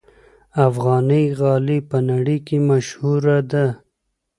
افغاني غالۍ په نړۍ کې مشهوره ده.